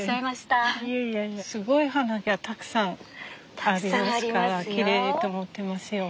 すごい花がたくさんありますからきれいと思ってますよ。